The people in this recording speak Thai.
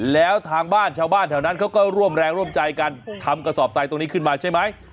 แล้วทางบ้านชาวบ้านแถวนั้นเขาก็ร่วมแรงร่วมใจกันทำกระสอบทรายตรงนี้ขึ้นมาใช่ไหม